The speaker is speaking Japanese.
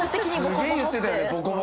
すげえ言ってたよね。